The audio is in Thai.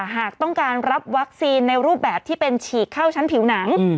หากต้องการรับวัคซีนในรูปแบบที่เป็นฉีกเข้าชั้นผิวหนัง